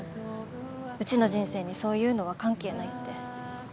うちの人生にそういうのは関係ないって。